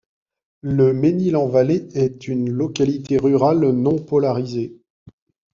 Le Mesnil-en-Vallée est une localité rurale non polarisée.